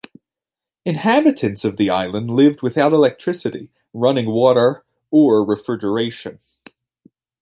Inhabitants of the island lived without electricity, running water or refrigeration.